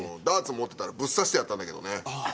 ダーツ持ってたらぶっ刺してやったんだけどね